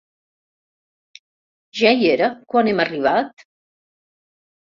¿Ja hi era, quan hem arribat?